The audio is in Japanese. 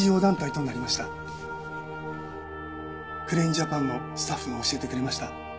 ジャパンのスタッフが教えてくれました。